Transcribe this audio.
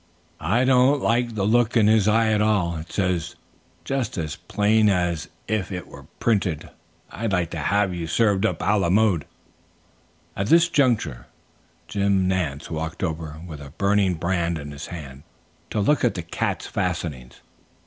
"I don't like the look in his eye at all. It says, just as plain as if it were printed, 'I'd like to have you served up a la mode.'" At this juncture, Jim Nance walked over; with a burning brand in hand, to look at the cat's fastenings.